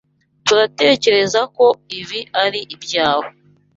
Turatekereza ko ibi ari ibyawe.